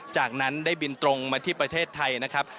จากนั้นได้บินตรงมาที่ประเทศไทยนะครับ